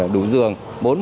đủ giường bốn mươi